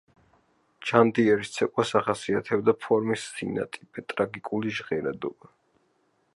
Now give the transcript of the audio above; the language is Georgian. ჯანდიერის ცეკვას ახასიათებდა ფორმის სინატიფე, ტრაგიკული ჟღერადობა.